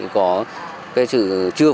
có chữ chưa